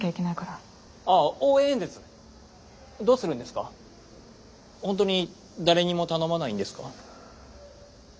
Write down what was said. ほんとに誰にも頼まないんですか？